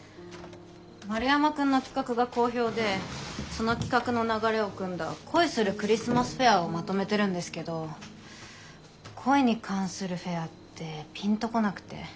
丸山くんの企画が好評でその企画の流れをくんだ「恋するクリスマスフェア」をまとめてるんですけど恋に関するフェアってピンと来なくて。